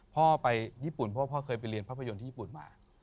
พ่อไปญี่ปุ่นเพราะว่าพ่อเคยไปเรียนภาพยนตร์ที่ญี่ปุ่นมา